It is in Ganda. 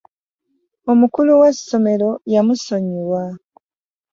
Omukulu w'esomero yamusonyiwa.